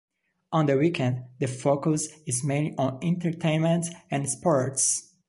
On the weekend the focus is mainly on entertainment and sports.